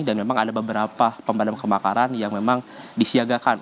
dan memang ada beberapa pemadam kebakaran yang memang disiagakan